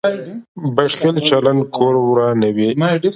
بخیل چلند کور ورانوي.